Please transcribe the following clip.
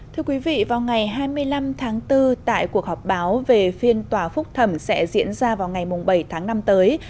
thưa quý vị vào ngày hai mươi năm tháng bốn tại cuộc họp báo về phiên tòa phúc thẩm sẽ diễn ra vào ngày bảy tháng năm tới